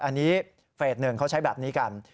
อันนี้เฟสหนึ่งเขาใช้แบบนี้กัน